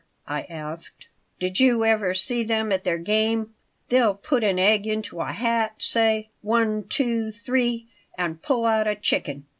I asked "Did you ever see them at their game? They'll put an egg into a hat; say, 'One, two, three,' and pull out a chicken.